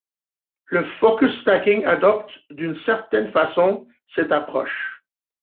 Le focus stacking adopte d'une certaine façon cette approche.